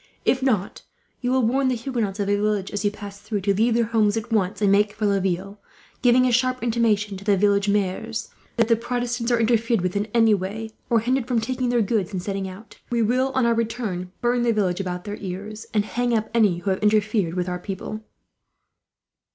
If not, you will warn the Huguenots of the villages, as you pass through, to leave their homes at once and make for Laville; giving a sharp intimation to the village maires that, if the Protestants are interfered with in any way, or hindered from taking their goods and setting out; we will, on our return, burn the village about their ears, and hang up any who have interfered with our people."